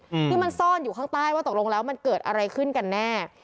อืมที่มันซ่อนอยู่ข้างใต้ว่าตกลงแล้วมันเกิดอะไรขึ้นกันแน่